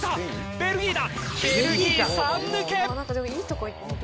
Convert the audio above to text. ベルギー３抜け。